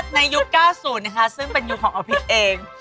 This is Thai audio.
ใช่เพราะว่าในยุค๙๐นะคะซึ่งเป็นยุคของอภิตเอง